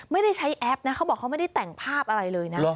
ไม่ได้ใช้แอปนะเขาบอกเขาไม่ได้แต่งภาพอะไรเลยนะ